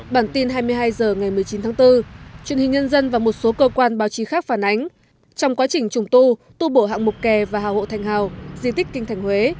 bản tin hai mươi hai h ngày một mươi chín tháng bốn truyền hình nhân dân và một số cơ quan báo chí khác phản ánh trong quá trình trùng tu tu bổ hạng mục kè và hào hộ thanh hào di tích kinh thành huế